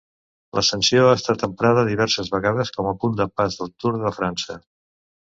L'ascensió ha estat emprada diverses vegades com a punt de pas del Tour de França.